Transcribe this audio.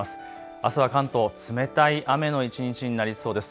あすは関東、冷たい雨の一日になりそうです。